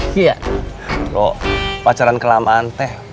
bro pacaran kelam anteh